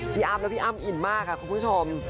พี่อ้ำและพี่อ้ำอิ่มมากค่ะคุณผู้ชม